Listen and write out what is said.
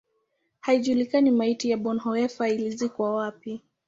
Haijulikani maiti ya Bonhoeffer ilizikwa wapi.